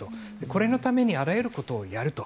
これのためにあらゆることをやると。